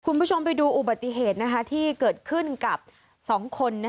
คุณผู้ชมไปดูอุบัติเหตุที่เกิดขึ้นกับ๒คน